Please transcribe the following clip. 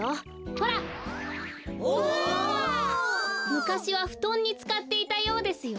むかしはふとんにつかっていたようですよ。